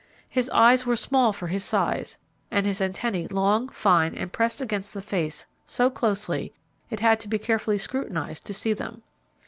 His eyes were small for his size, and his antennae long, fine, and pressed against the face so closely it had to be carefully scrutinized to see them.